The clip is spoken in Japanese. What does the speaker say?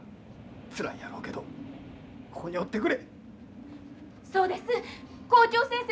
つらいやろうけどここにおってくれ。